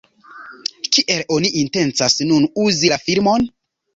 Kiel oni intencas nun uzi la filmon?